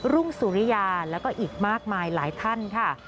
รุ่งสุริยาแล้วก็อีกมากมายหลายท่านค่ะ